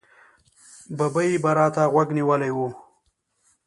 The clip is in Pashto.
ببۍ به را ته غوږ نیولی و.